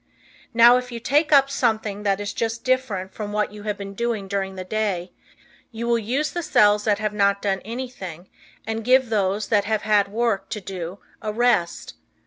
Now if you take up something that is just different from what you have been doing during the day, you will use the cells that have not done anything and give those that have had work to do a rest.